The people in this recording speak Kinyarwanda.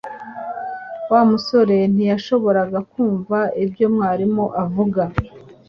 Wa musore ntiyashoboraga kumva ibyo mwarimu avuga